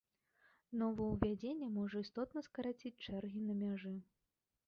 Новаўвядзенне можа істотна скараціць чэргі на мяжы.